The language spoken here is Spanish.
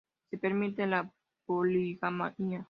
Se permite la poligamia.